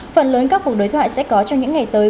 phần lớn các cuộc đối thoại sẽ có trong những ngày tới